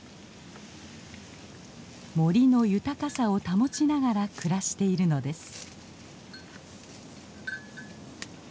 森の豊かさを保ちながら暮らしているのです。